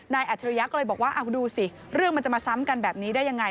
อัจฉริยะก็เลยบอกว่าเอาดูสิเรื่องมันจะมาซ้ำกันแบบนี้ได้ยังไง